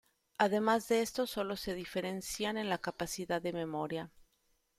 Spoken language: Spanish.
Además de esto, sólo se diferencian en la capacidad de memoria.